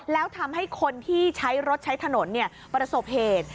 แล้วทำให้คนที่ใช้รถใช้ถนนประสบเหตุ